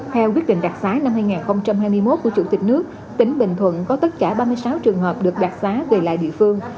theo quyết định đặc xá năm hai nghìn hai mươi một của chủ tịch nước tỉnh bình thuận có tất cả ba mươi sáu trường hợp được đặc xá về lại địa phương